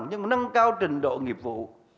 nhưng mà nâng cao trình độ nghiệp vụ